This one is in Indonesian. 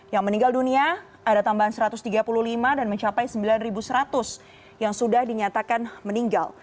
yang meninggal dunia ada tambahan satu ratus tiga puluh lima dan mencapai sembilan seratus yang sudah dinyatakan meninggal